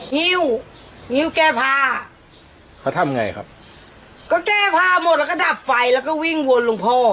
หิ้วหิ้วแก้ผ้าเขาทำไงครับก็แก้ผ้าหมดแล้วก็ดับไฟแล้วก็วิ่งวนหลวงพ่อ